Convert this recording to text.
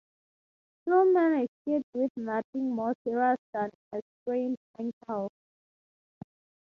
Tilghman escaped with nothing more serious than a sprained ankle.